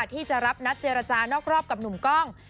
ที่จะรับนัดเจรจานอกรอบกับหนุ่มกล้อง